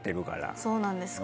そうなんですか。